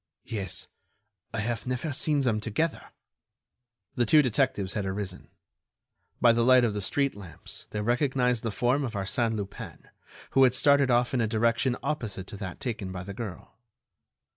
"Yes, I have never seen them together." The two detectives had arisen. By the light of the street lamps they recognized the form of Arsène Lupin, who had started off in a direction opposite to that taken by the girl.